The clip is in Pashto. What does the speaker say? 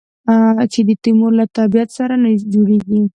چې د تیمور له طبیعت سره نه جوړېږي.